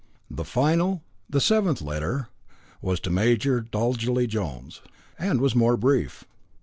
The final, the seventh letter, was to Major Dolgelly Jones, and was more brief.